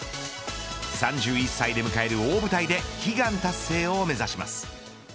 ３１歳で迎える大舞台で悲願達成を目指します。